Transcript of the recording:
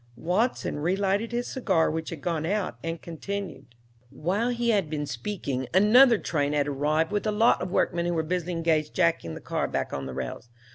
'" Watson relighted his cigar, which had gone out, and continued "While he had been speaking another train had arrived with a lot of workmen who were busily engaged jacking the car back on the rails.